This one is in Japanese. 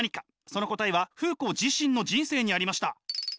その答えはフーコー自身の人生にありました。